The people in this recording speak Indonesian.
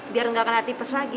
biar gak kena tipes lagi